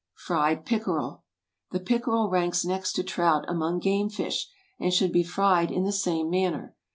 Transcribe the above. FRIED PICKEREL. ✠ The pickerel ranks next to trout among game fish, and should be fried in the same manner.